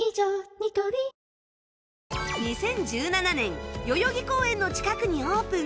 ニトリ２０１７年代々木公園の近くにオープン